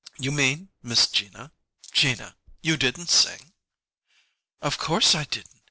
"You mean, Miss Gina Gina you didn't sing?" "Of course I didn't!